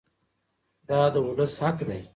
دا د ولس حق دی.